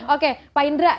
oke pak indra